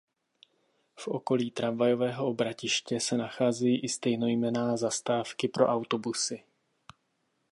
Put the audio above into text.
V okolí tramvajového obratiště se nacházejí i stejnojmenná zastávky pro autobusy.